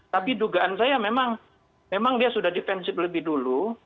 tapi dugaan saya memang dia sudah defensif lebih dulu